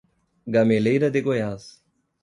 Gameleira de Goiás